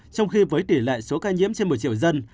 trong khi với tỷ lệ số ca nhiễm trên một triệu dân